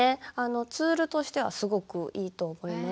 ツールとしてはすごくいいと思います。